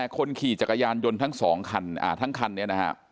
คนขี่จักรยานยนต์ทั้งสองคันทั้งคันนี้นะฮะ